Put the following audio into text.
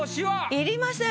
いりません！